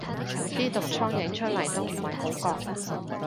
啲毒瘡影出嚟都唔係好覺